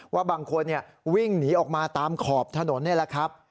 ว่าบางคนวิ่งหนีออกมาตามขอบถนนนี่แหละครับ